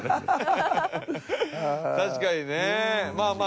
確かにね。まあまあ。